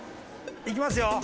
行きますよ。